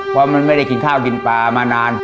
เพราะมันไม่ได้กินข้าวกินปลามานาน